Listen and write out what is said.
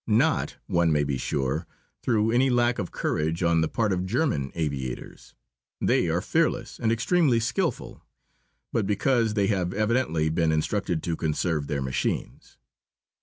Not, one may be sure, through any lack of courage on the part of German aviators. They are fearless and extremely skilful. But because they have evidently been instructed to conserve their machines.